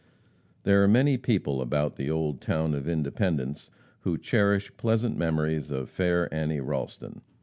There are many people about the old town of Independence who cherish pleasant memories of fair Annie Ralston.